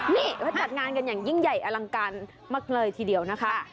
นี่เขาจัดงานกันอย่างยิ่งใหญ่อลังการมากเลยทีเดียวนะคะ